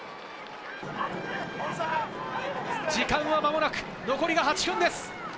時間は間もなく、残りが８分です。